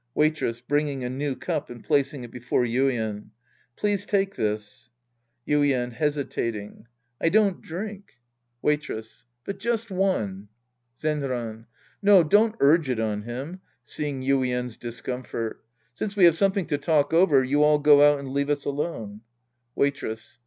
Waitress {bringing a new cup and placing it before Yuien). Please take this. Yuien {hesitating). I don't drink. Sc. I The Priest and His Disciples 103 Waitress. But just one. Zenran. No, don't urge it on him. {Seeing Yuien's discomfort^ Since we have something to talk over, you all go out and leave us alone. Waitress.